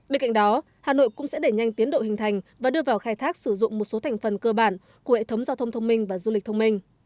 bên cạnh đó hà nội cũng sẽ đẩy nhanh tiến độ hình thành và đưa vào khai thác sử dụng một số thành phần cơ bản của hệ thống giao thông thông minh và du lịch thông minh